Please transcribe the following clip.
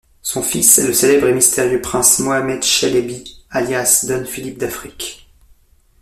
Son fils est le célèbre et mystérieux prince Mohamed Chelebi, alias Don Philippe d'Afrique.